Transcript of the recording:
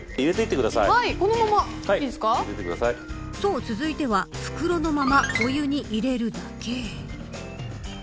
そう続いては袋のまま、お湯に入れるだけ。